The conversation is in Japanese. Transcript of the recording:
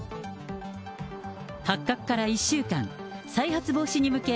発覚から１週間、再発防止に向け、